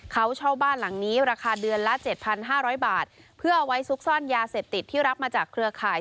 เขาเช่าบ้านหลังนี้ราคาเดือนละ๗๕๐๐บาทเพื่อเอาไว้ซุกซ่อนยาเสพติดที่รับมาจากเครือข่าย